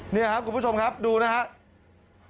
นี่ครับคุณผู้ชมครับดูนะครับ